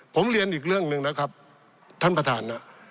ผมเรียนอีกเรื่องหนึ่งนะครับท่านประธานนะ